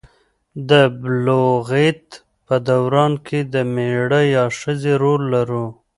د بلوغیت په دوران کې د میړه یا ښځې رول لرو.